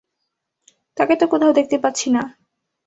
তাকে তো কোথাও দেখতে পাচ্ছি না।